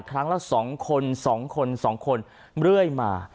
ครั้งละสองคนสองคนสองคนเรื่อยมา